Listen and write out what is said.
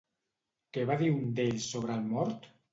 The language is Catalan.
Què va dir un d'ells sobre el mort?